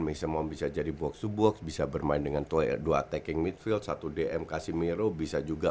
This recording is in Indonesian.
bisa mau bisa jadi box to box bisa bermain dengan toya dua attacking midfield satu dm casimiro bisa juga